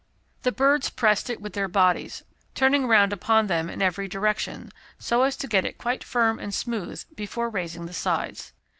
The birds pressed it with their bodies, turning round upon them in every direction, so as to get it quite firm and smooth before raising the sides.